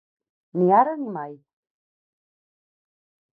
Ni ara ni mai.